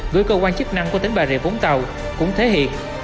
gửi cơ quan chức năng của tỉnh bà rịa vũng tàu cũng thể hiện